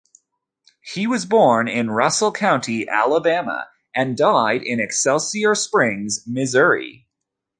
He was born in Russell County, Alabama and died in Excelsior Springs, Missouri.